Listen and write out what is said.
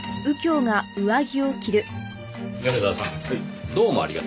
米沢さんどうもありがとう。